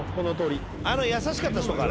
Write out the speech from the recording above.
あの優しかった人か？